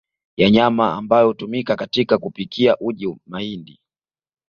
ya nyama ambayo hutumika katika kupikia uji mahindi